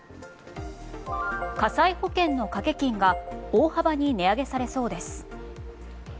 火災保険の掛け金が大幅に値上げされそうです。